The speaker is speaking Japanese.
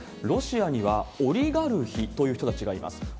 ロシアには、オリガルヒという人たちがいます。